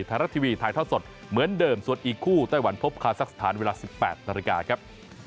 ไทยรัฐทีวีถ่ายทอดสดเหมือนเดิมส่วนอีกคู่ไต้หวันพบคาซักสถานเวลา๑๘นาฬิกาครับ